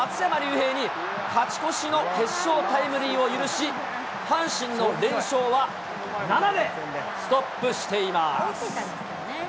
へいに、勝ち越しの決勝タイムリーを許し、阪神の連勝は７でストップしています。